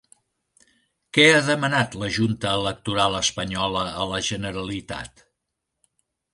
Què ha demanat la Junta Electoral espanyola a la Generalitat?